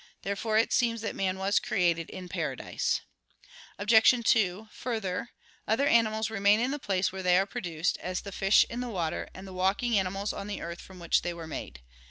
Therefore it seems that man was created in paradise. Obj. 2: Further, other animals remain in the place where they are produced, as the fish in the water, and walking animals on the earth from which they were made.